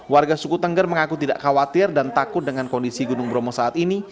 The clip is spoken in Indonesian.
warga suku tengger mengaku tidak khawatir dan takut dengan kondisi gunung bromo saat ini